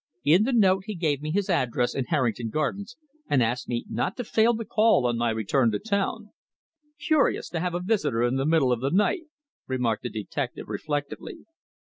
In the note he gave me his address in Harrington Gardens, and asked me not to fail to call on my return to town." "Curious to have a visitor in the middle of the night," remarked the detective reflectively.